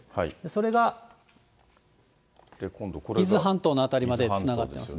それが伊豆半島の辺りまでつながってます。